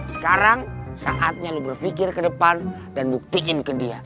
sekarang saatnya lu berpikir ke depan dan buktiin ke dia